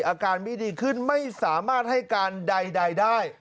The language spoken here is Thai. อาการไม่ดีขึ้นไม่สามารถให้การใดได้